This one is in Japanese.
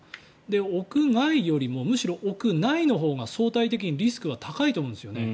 屋外よりもむしろ屋内のほうが相対的にリスクは高いと思うんですね。